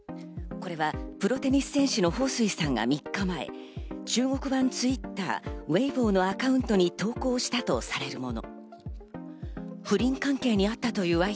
これはプロテニス選手のホウ・スイさんが３日前、中国版Ｔｗｉｔｔｅｒ、Ｗｅｉｂｏのアカウントに投稿したとされるもの。